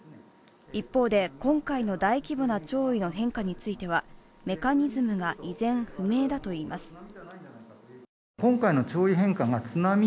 一方で、今回の大規模な潮位の変化については、メカニズムが依然不明だといいます。